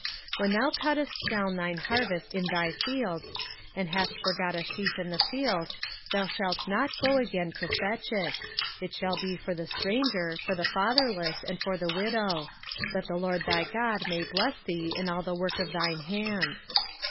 05:024:019 When thou cuttest down thine harvest in thy field, and hast forgot a sheaf in the field, thou shalt not go again to fetch it: it shall be for the stranger, for the fatherless, and for the widow: that the LORD thy God may bless thee in all the work of thine hands.